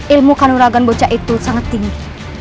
ilmu kanuragan bocah itu sangat tinggi